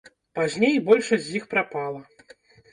Пазней большасць з іх прапала.